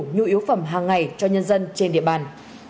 nhu yếu phẩm hàng ngày cho nhân dân trên địa bàn